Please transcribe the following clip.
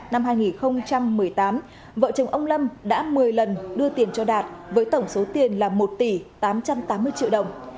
năm hai nghìn một mươi tám vợ chồng ông lâm đã một mươi lần đưa tiền cho đạt với tổng số tiền là một tỷ tám trăm tám mươi triệu đồng